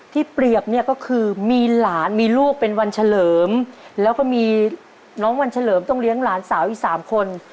เปรียบเนี่ยก็คือมีหลานมีลูกเป็นวันเฉลิมแล้วก็มีน้องวันเฉลิมต้องเลี้ยงหลานสาวอีกสามคน